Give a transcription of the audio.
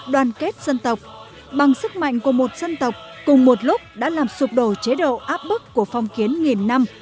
đoàn kết dân tộc bằng sức mạnh của một dân tộc cùng một lúc đã làm sụp đổ chế độ áp bức của phong kiến nghìn năm